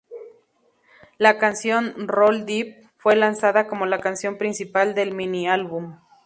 La canción "Roll Deep" fue lanzada como la canción principal del mini-álbum.